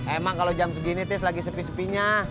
emang kalau jam segini terus lagi sepi sepinya